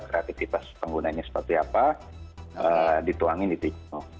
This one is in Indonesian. kreativitas penggunanya seperti apa dituangin di tiktok